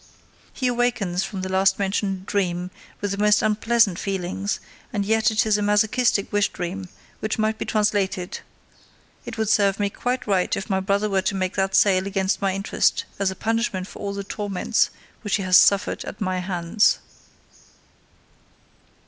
_ He awakens from the last mentioned dream with the most unpleasant feelings, and yet it is a masochistic wish dream, which might be translated: It would serve me quite right if my brother were to make that sale against my interest, as a punishment for all the torments which he has suffered at my hands.